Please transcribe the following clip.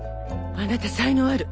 あなた才能ある。